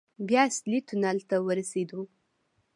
بيا اصلي تونل ته ورسېدو.